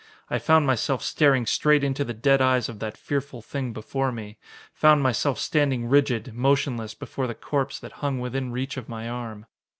I found myself staring straight into the dead eyes of that fearful thing before me, found myself standing rigid, motionless, before the corpse that hung within reach of my arm.